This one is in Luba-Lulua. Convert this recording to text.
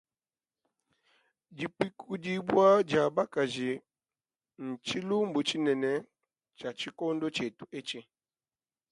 Dipikudibua dia bakaji ntshilumbu tshinene tshia tshikondo tshietu etshi.